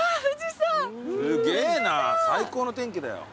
すげえな最高の天気だよ。